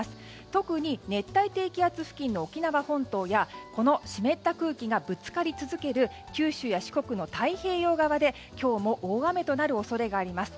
特に熱帯低気圧付近の沖縄本島や湿った空気がぶつかり続ける九州や四国の太平洋側で今日も大雨となる恐れがあります。